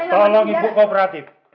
tolong ibu kooperatif